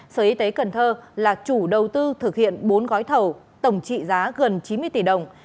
sở y tế cần thơ là chủ đầu tư thực hiện bốn gói thầu tổng trị giá gần chín mươi tỷ đồng